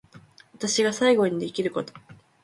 私が最後にできること